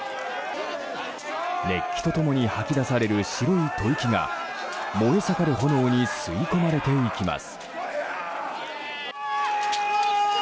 熱気と共に吐き出される白い吐息が燃え盛る炎に吸い込まれていきます。